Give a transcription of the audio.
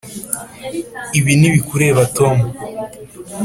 ibi ntibikureba, tom.